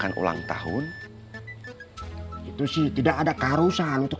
warang juga interviewan buatfo